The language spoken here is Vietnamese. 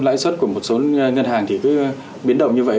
lãi suất của một số ngân hàng thì cứ biến động như vậy